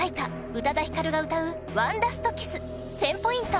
宇多田ヒカルが歌う『ＯｎｅＬａｓｔＫｉｓｓ』１０００ポイント